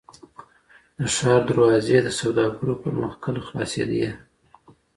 د ښار دروازې د سوداګرو پر مخ کله خلاصېدې؟